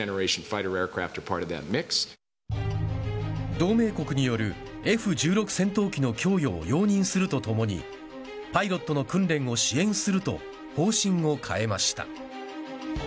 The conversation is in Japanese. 同盟国によるＦ−１６戦闘機の供与を容認するとともにパイロットの訓練を支援すると方針を変えました。